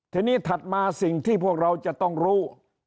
ทีนี้ถัดมาสิ่งที่พวกเราจะต้องรู้